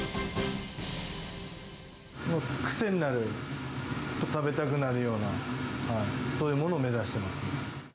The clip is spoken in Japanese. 癖になる、と食べたくなるような、そういうものを目指してます。